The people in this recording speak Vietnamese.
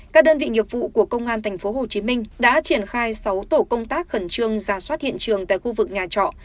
các đơn vị nghiệp vụ của công an tp hcm đã triển khai sáu tổ công tác khẩn trương ra soát hiện trường tại khu vực nhà trọ